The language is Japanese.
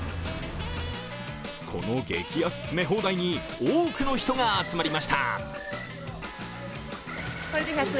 この激安詰め放題に多くの人が集まりました。